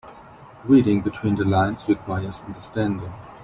Reading between the lines requires understanding.